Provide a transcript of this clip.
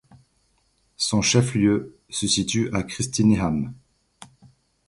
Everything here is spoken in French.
Son chef-lieu se situe à Kristinehamn.